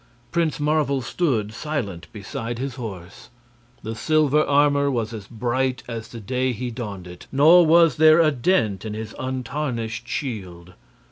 Prince Marvel stood silent beside his horse. The silver armor was as bright as the day he donned it, nor was there a dent in his untarnished shield.